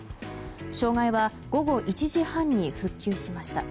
障害は午後１時半に復旧しました。